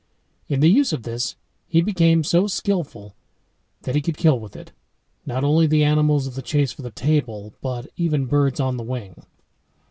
In the use of this he became so skilful, that he could kill with it not only the animals of the chase for the table, but even birds on the wing.